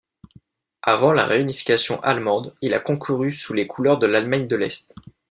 Avant la réunification allemande, il a concouru sous les couleurs de l'Allemagne de l'Est.